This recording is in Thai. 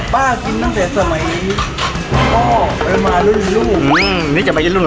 ป้ากินตั้งแต่สมัยพ่อมารุ่นลูก